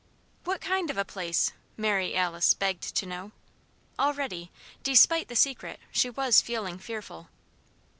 "What kind of a place?" Mary Alice begged to know. Already, despite the Secret, she was feeling fearful.